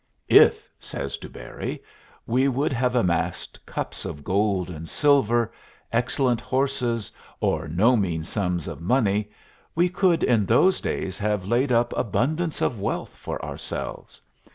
"If," says de Bury, "we would have amassed cups of gold and silver, excellent horses, or no mean sums of money, we could in those days have laid up abundance of wealth for ourselves.